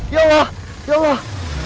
ya allah ya allah